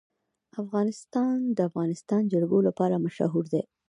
افغانستان د د افغانستان جلکو لپاره مشهور دی.